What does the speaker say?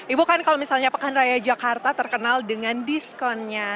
ibu kan kalau misalnya pekan raya jakarta terkenal dengan diskonnya